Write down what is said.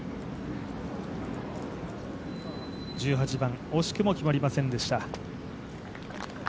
１８番、惜しくも決まりませんでした